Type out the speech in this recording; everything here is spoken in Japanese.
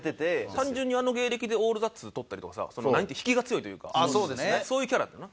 単純にあの芸歴で『オールザッツ』とったりとかさ引きが強いというかそういうキャラだよな。